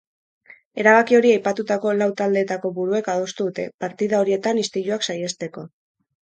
Erabaki hori aipatutako lau taldeetako buruek adostu dute, partida horietan istiluak saihesteko.